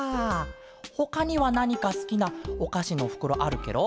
ほかにはなにかすきなおかしのふくろあるケロ？